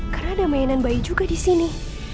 karena ada mainan bayi juga disini